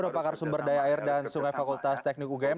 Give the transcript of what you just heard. pakar sumber daya air dan sungai fakultas teknik ugm